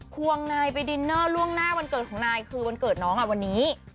วงนายไปดินเนอร์ล่วงหน้าวันเกิดของนายคือวันเกิดน้องวันนี้